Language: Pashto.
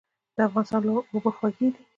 د افغانستان اوبه خوږې دي.